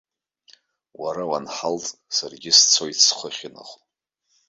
Уара уанҳалҵ, саргьы сцоит схы ахьынахо.